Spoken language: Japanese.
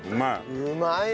うまい。